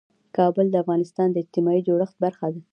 کابل د افغانستان د اجتماعي جوړښت برخه ده.